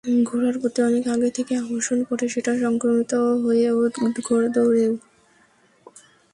ঘোড়ার প্রতি অনেক আগে থেকেই আকর্ষণ, পরে সেটা সংক্রমিত হয়েছে ঘোড়দৌড়েও।